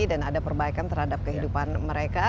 dan ada perbaikan terhadap kehidupan mereka